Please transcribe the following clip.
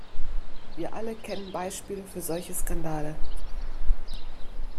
Wir alle kennen Beispiele für solche Skandale.